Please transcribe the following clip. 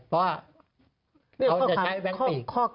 เพราะว่าเขาจะใช้แบงค์ปีก